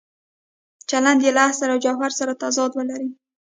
چلند یې له اصل او جوهر سره تضاد ولري.